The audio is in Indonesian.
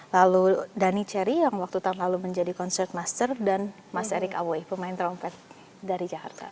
lalu dhani cherry yang waktu tahun lalu menjadi concert master dan mas erick aboy pemain trompet dari jakarta